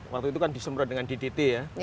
waktu itu kan disemprot dengan ddt ya